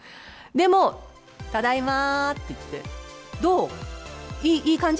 でも、ただいまって言って、どう？いい感じ？